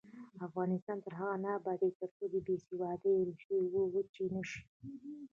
افغانستان تر هغو نه ابادیږي، ترڅو د بې سوادۍ ریښې وچې نشي.